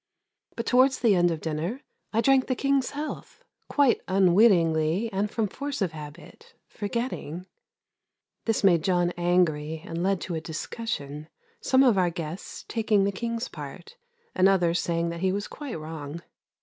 But towards the end of dinner, I drank the King's health, quite unwittingly and from force of habit, forgetting This made John angry and led to a discussion, some of our guests taking the King's part and others saying that he was quite wrong.